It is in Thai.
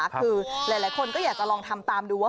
หลายคนก็อยากจะทำตามดูว่า